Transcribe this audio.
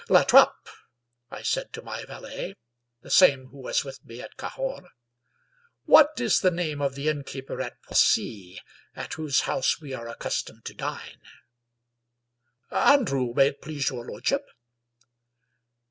" La Trape," I said to my valet — the same who was with me at Cahors —" what is the name of the innkeeper at Poissy, at whose house we are accustomed to dine?" " Andrew, may it please your lordship."